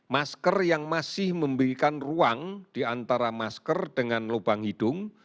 masker yang masih memberikan ruang di antara masker dengan lubang hidung